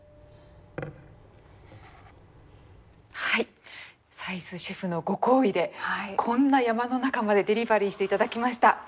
はい斉須シェフのご厚意でこんな山の中までデリバリーして頂きました。